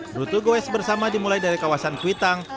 bruto goes bersama dimulai dari kawasan kuitang